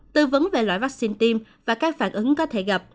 tư vấn về loại vaccine tiêm và các phản ứng có thể gặp